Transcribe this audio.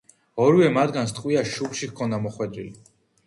ორივე მათგანს ტყვია შუბლში ჰქონდა მოხვედრილი.